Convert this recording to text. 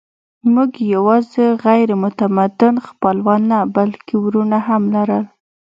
موږ یواځې غیر متمدن خپلوان نه، بلکې وروڼه هم لرل.